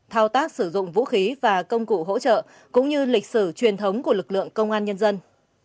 thao tác sử dụng vũ khí và công cụ hỗ trợ cũng như lịch sử truyền thống của lực lượng công an nhân dân